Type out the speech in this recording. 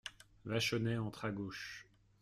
Vachonnet entre à gauche.